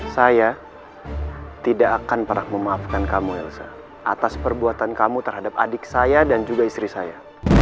saya tidak akan pernah memaafkan kamu elsa atas perbuatan kamu terhadap adik saya dan juga istri saya